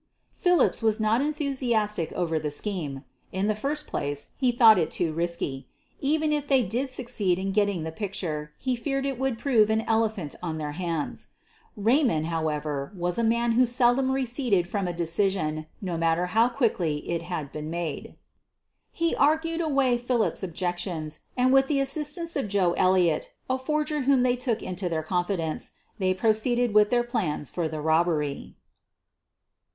Philips was not enthusiastic over the scheme. In the first place he thought it too risky. Even if they did succeed in getting the picture he feared it would prove an elephant on their hands. Raymond, how ever, was a man who seldom receded from a de cision, no matter how quickly it had been made. He argued away Philip's objections and with the assist ance of Joe Elliott, a forger whom they took into 50 SOPHIE LYONS their confidence, they proceeded with their plans for the robbery.